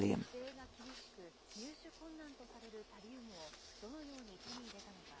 規制が厳しく、入手困難とされるタリウムをどのように手に入れたのか。